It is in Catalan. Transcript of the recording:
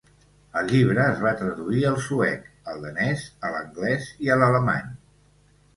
El llibre es va traduir al suec, al danès, a l’anglès i a l’alemany.